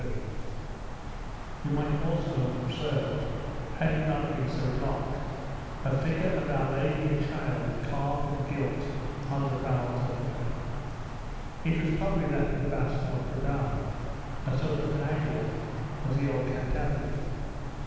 You might also have observed, had it not been so dark, a figure of Our Lady and Child carved and gilt on the bow of the hooker. It was probably that of the Basque Notre Dame, a sort of Panagia of the old Cantabri.